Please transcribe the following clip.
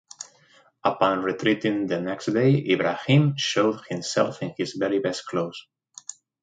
Upon retreating the next day Ibrahim showed himself in his very best clothes.